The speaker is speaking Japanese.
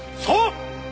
そう！